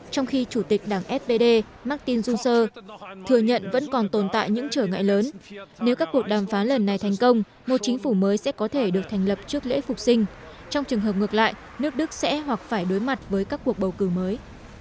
trong khi chủ tịch đảng spd martin zunse thừa nhận vẫn còn tồn tại những trở ngại lớn nếu các cuộc đàm phán lần này thành công một chính phủ mới sẽ có thể được thành lập trước lễ phục sinh trong trường hợp ngược lại nước đức sẽ hoặc phải đối mặt với các cuộc bầu cử mới